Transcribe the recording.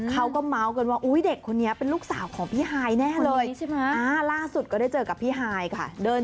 เหลือเด็กคนนี้เป็นพี่สาวของมัน